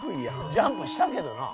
ジャンプしたけどな。